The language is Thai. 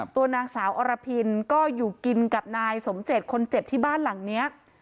ตัวนางสาวอรพินก็อยู่กินกับนายสมเจตคนเจ็บที่บ้านหลังนี้